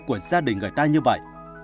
của gia đình người ta như vậy